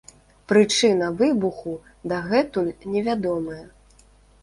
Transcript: Прычына выбуху дагэтуль невядомая.